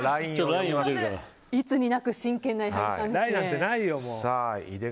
いつになく真剣な矢作さんですね。